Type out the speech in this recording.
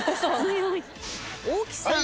大木さん。